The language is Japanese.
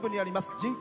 人口